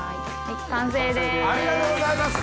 完成です。